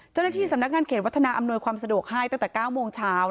เจ้าหน้าที่สำนักงานเขตวัฒนาอำนวยความสะดวกให้ตั้งแต่๙โมงเช้า